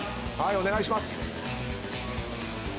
お願いします！